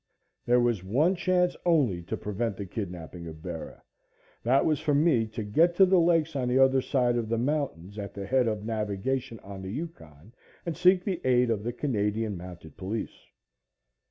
There was one chance only to prevent the kidnaping of Bera. That was for me to get to the lakes on the other side of the mountains, at the head of navigation on the Yukon and seek the aid of the Canadian mounted police.